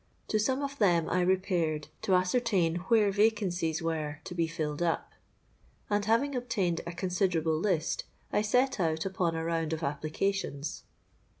To some of them I repaired to ascertain where vacancies were to be filled up; and, having obtained a considerable list, I set out upon a round of applications.